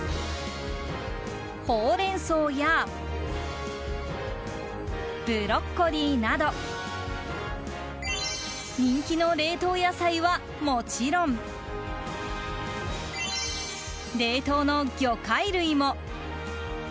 ほうれん草やブロッコリーなど人気の冷凍野菜はもちろん冷凍の魚介類も。